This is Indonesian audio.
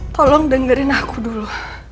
tolong dengerin aku dulu